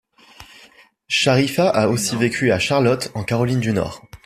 Shareefa a aussi vécu à Charlotte en Caroline du Nord.